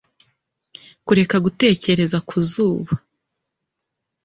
Kureka gutekereza ku zuba